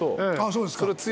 そうですか。